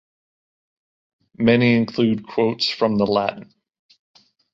Many include quotes from the Latin.